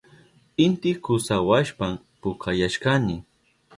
Inti kusawashpan pukayashkani.